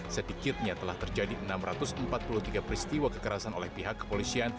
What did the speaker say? sedikitnya telah terjadi enam ratus empat puluh tiga peristiwa kekerasan oleh pihak kepolisian